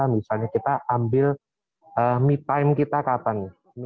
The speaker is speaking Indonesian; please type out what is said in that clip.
misalnya kita ambil me time kita kapan